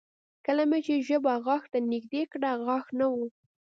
کله مې چې ژبه غاښ ته نږدې کړه غاښ نه و